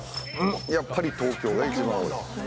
やっぱり東京が一番多い。